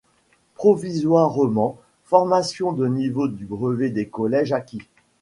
Provisoirement, formation du niveau du brevet des collèges acquis.